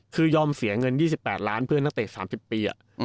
คือยอมเสียเงิน๒๘ล้านเพื่อนนักเตะ๓๐ปี